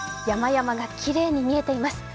山々がきれいに見えています。